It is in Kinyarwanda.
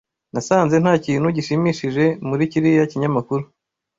Nasanze nta kintu gishimishije muri kiriya kinyamakuru.